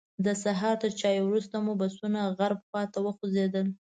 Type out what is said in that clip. د سهار تر چایو وروسته مو بسونه غرب خواته وخوځېدل.